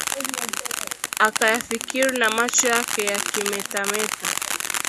Akayafikiri na macho yake yakimetameta